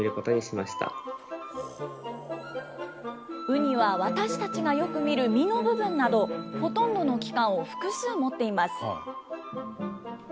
ウニは私たちがよく見る身の部分など、ほとんどの器官を複数持っています。